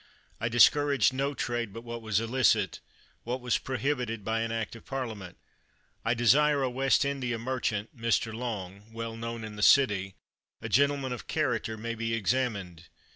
I discouraged no trade but what was illicit, what was prohibited by an act of Parliament. I desire a West India mer chant (Mr. Long), well known in the city, a gentleman of character, may be examined.